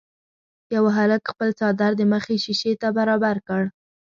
یوه هلک خپل څادر د مخې شيشې ته برابر کړ.